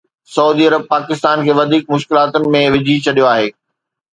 Saudi Arab Pakistan کي وڌيڪ مشڪلاتن ۾ وجهي ڇڏيو آهي